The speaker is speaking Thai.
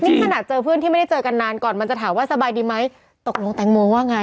นี่ขนาดเจอเพื่อนที่ไม่ได้เจอกันนานก่อนมันจะถามว่าสบายดีไหมตกลงแตงโมว่าไง